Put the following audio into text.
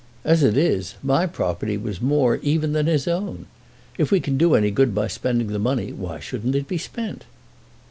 As it is, my property was more even than his own. If we can do any good by spending the money, why shouldn't it be spent?"